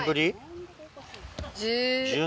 １０。